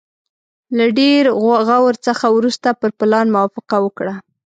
له ډېر غور څخه وروسته پر پلان موافقه وکړه.